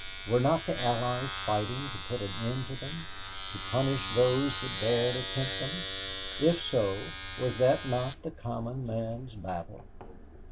Were not the Allies fighting to put an end to them, to punish those that dared attempt them? If so, was that not the common man's battle?